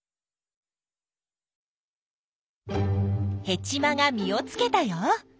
ヘチマが実をつけたよ。